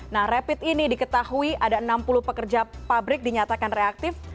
nah rapid ini diketahui ada enam puluh pekerja pabrik dinyatakan reaktif